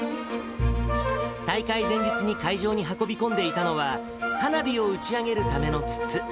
大会前日に会場に運び込んでいたのは、花火を打ち上げるための筒。